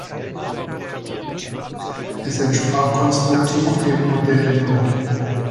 Es entsprach konstruktiv dem Model No.